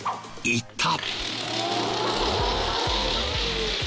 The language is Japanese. いった！